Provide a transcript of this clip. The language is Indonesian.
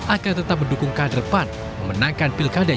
akan tetap mendukung kehadirpan memenangkan pilkada jawa barat